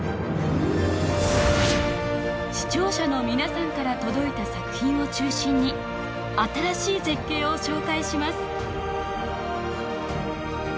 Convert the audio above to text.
視聴者の皆さんから届いた作品を中心に新しい絶景を紹介します。